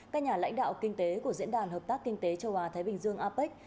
các nhà lãnh đạo kinh tế của diễn đàn hợp tác kinh tế châu á thái bình dương apec